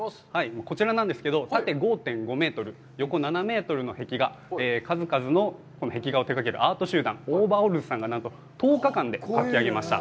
こちらなんですけど、縦５．５メートル、横７メートルの数々の壁画を手がけるアート集団オーバーオールズさんが何と１０日間で描き上げました。